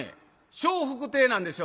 笑福亭なんですよ